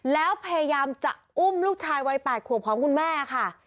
แล้วพยายามจะอุ้มลูกชายวัย๘ขวบของคุณแม่ค่ะ